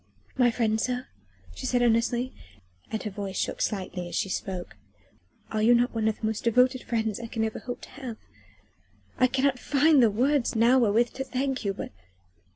"My friends, sir?" she said earnestly, and her voice shook slightly as she spoke, "are you not one of the most devoted friends I can ever hope to have? I cannot find the words now wherewith to thank you, but...."